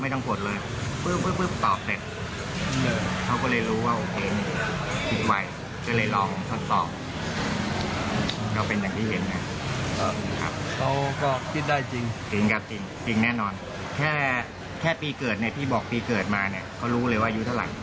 ที่เกิดปีอะไรเขารู้เลย